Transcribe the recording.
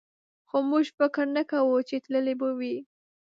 خو موږ فکر نه کوو چې تللی به وي.